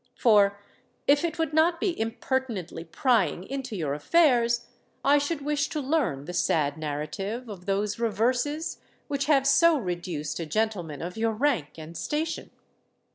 For, if it would not be impertinently prying into your affairs, I should wish to learn the sad narrative of those reverses which have so reduced a gentleman of your rank and station."